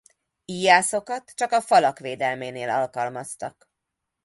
Íjászokat csak a falak védelménél alkalmaztak.